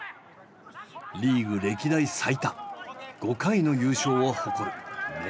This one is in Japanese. リーグ歴代最多５回の優勝を誇る名門チームだ。